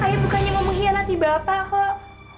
saya bukannya mau mengkhianati bapak kok